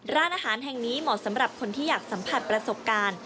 ร้านอาหารแห่งนี้เหมาะสำหรับคนที่อยากสัมผัสประสบการณ์